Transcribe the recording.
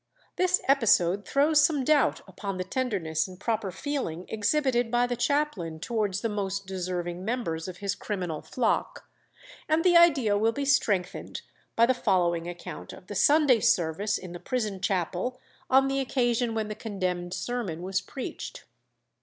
This episode throws some doubt upon the tenderness and proper feeling exhibited by the chaplain towards the most deserving members of his criminal flock; and the idea will be strengthened by the following account of the Sunday service in the prison chapel on the occasion when the condemned sermon was preached.